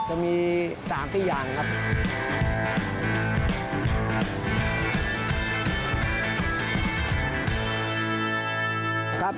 จะมี๓๔อย่างครับ